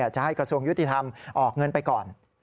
จะให้กระทรวงยุติธรรมออกเงินไปก่อน